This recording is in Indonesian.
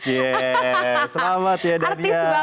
yes selamat ya daniel